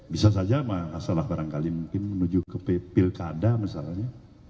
bisa saja masalah barangkali mungkin menuju ke pilkada misalnya